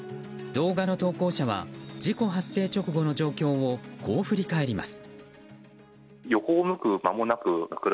動画の投稿者は事故発生直後の状況をこう振り返ります。